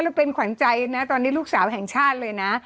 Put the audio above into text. แล้วเป็นขวัญใจนะตอนนี้ลูกสาวแห่งชาติเลยนะ